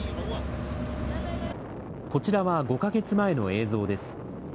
こちらは５か月前の映像です。